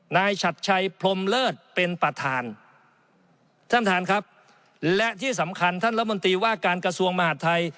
ฉัดชัยพรมเลิศเป็นประธานท่านท่านครับและที่สำคัญท่านรัฐมนตรีว่าการกระทรวงมหาดไทย